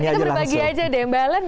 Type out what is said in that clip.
kita berbagi aja deh mbak allen